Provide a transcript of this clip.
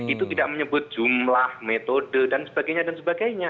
itu tidak menyebut jumlah metode dan sebagainya dan sebagainya